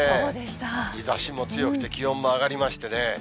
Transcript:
日ざしも強くて、気温も上がりましてね。